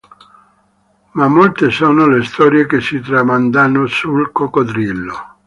Ma molte sono le storie che si tramandano sul coccodrillo.